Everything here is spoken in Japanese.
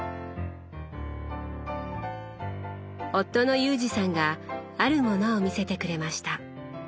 夫の裕二さんがあるものを見せてくれました。